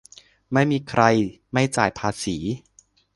- ไม่มีใครไม่จ่ายภาษี